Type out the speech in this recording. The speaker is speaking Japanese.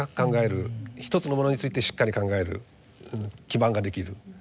一つのものについてしっかり考える基盤ができる。